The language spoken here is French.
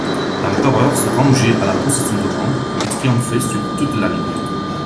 L’empereur se rangeait à la position de Rome qui triomphait sur toute la ligne.